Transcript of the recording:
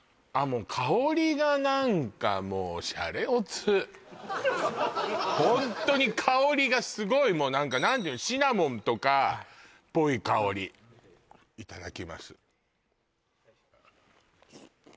もう香りがなんかもうシャレオツホントに香りがすごいもうなんかなんていうのシナモンとかっぽい香りいただきます